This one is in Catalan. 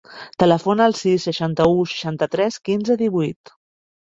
Telefona al sis, seixanta-u, seixanta-tres, quinze, divuit.